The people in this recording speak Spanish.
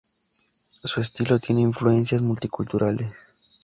Su estilo tiene influencias multiculturales.